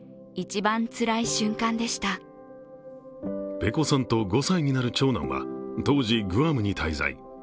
ｐｅｃｏさんと５歳になる長男は、当時、グアムに滞在。